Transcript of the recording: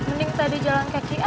mending tadi jalan kaki